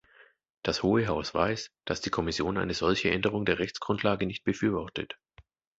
Das Hohe Haus weiß, dass die Kommission eine solche Änderung der Rechtsgrundlage nicht befürwortet.